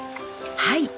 はい。